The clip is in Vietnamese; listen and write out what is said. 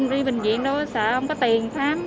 đi bệnh viện đâu sợ không có tiền khám